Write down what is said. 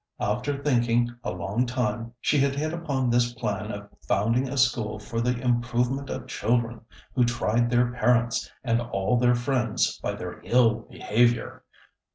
After thinking a long time, she had hit upon this plan of founding a school for the improvement of children who tried their parents and all their friends by their ill behavior.